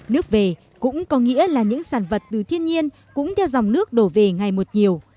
nước về cũng có nghĩa là những sản vật từ thiên nhiên cũng theo dòng nước đổ về ngày một nhiều